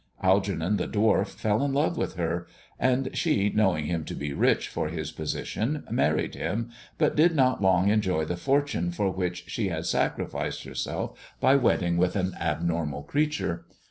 Algernon, the dwarf, fell in love with her, and she, knowing him to be rich for his position, married him, but did not long enjoy the fortune for which she had sacrificed herself by wedding with an abnormal creature.